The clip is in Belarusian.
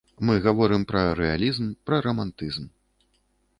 Мы гаворым пра рэалізм, пра рамантызм.